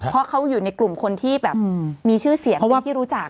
เพราะเขาอยู่ในกลุ่มคนที่แบบมีชื่อเสียงเป็นที่รู้จัก